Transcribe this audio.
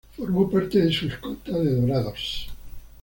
Formó parte de su escolta de ""Dorados"".